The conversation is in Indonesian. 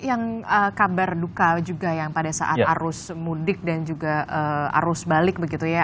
yang kabar duka juga yang pada saat arus mudik dan juga arus balik begitu ya